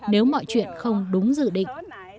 nếu mọi chuyện không đúng dự định